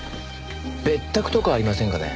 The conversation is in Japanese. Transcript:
別宅とかありませんかね？